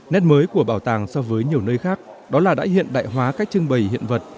nét mới của bảo tàng so với nhiều nơi khác đó là đã hiện đại hóa cách trưng bày hiện vật